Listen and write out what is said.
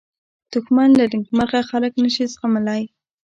دښمن له نېکمرغه خلک نه شي زغملی